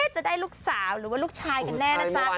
จะได้ลูกสาวหรือว่าลูกชายกันแน่นะจ๊ะ